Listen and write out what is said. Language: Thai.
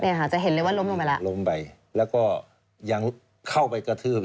ค่ะจะเห็นเลยว่าล้มลงไปแล้วล้มไปแล้วก็ยังเข้าไปกระทืบ